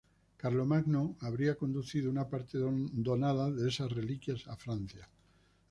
Carlomagno habría conducido una parte donada de esas reliquias a Francia.